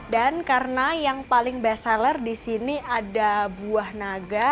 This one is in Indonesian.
dan karena yang paling best seller disini ada buah naga